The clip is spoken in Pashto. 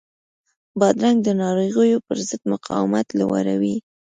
بادرنګ د ناروغیو پر ضد مقاومت لوړوي.